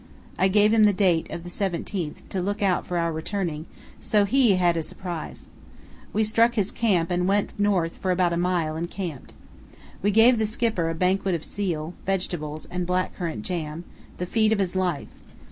I gave him the date of the 17th to look out for our returning, so he had a surprise. We struck his camp and went north for about a mile and camped. We gave the Skipper a banquet of seal, vegetables, and black currant jam, the feed of his life.